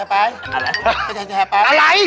มั้ยกล้ามฉะป่าย